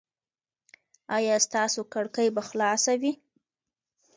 ایا ستاسو کړکۍ به خلاصه وي؟